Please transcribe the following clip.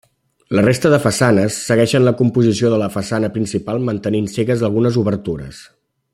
La resta de façanes segueixen la composició de la façana principal mantenint cegues algunes obertures.